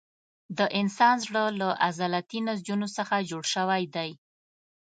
د انسان زړه له عضلاتي نسجونو څخه جوړ شوی دی.